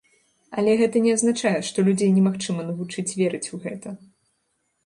Але гэта не азначае, што людзей немагчыма навучыць верыць у гэта.